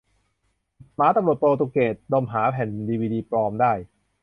หมาตำรวจโปรตุเกส ดมหาแผ่นดีวีดีปลอมได้ !